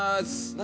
何？